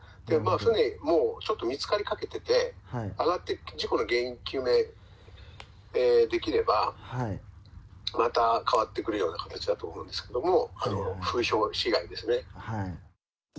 船はもう、ちょっと見つかりかけてて、揚がって、事故の原因究明できれば、また変わってくるような形だと思うんですけれども、風評被害ですね。